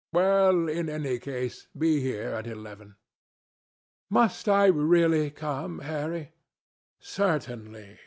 Well, in any case, be here at eleven." "Must I really come, Harry?" "Certainly.